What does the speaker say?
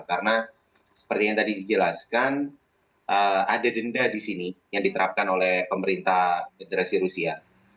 karena seperti yang tadi dijelaskan ada denda di sini yang diterapkan oleh pemerintah federasi rusia